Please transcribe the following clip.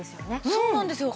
そうなんですよ。